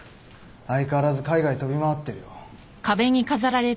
相変わらず海外飛び回ってるよ。